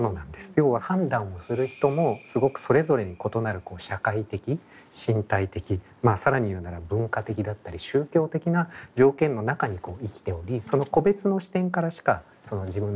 要は判断する人もすごくそれぞれに異なる社会的身体的更に言うなら文化的だったり宗教的な条件の中に生きておりその個別の視点からしか自分の行動というものを考えられない。